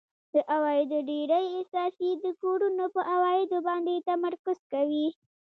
د عوایدو ډېری احصایې د کورونو په عوایدو باندې تمرکز کوي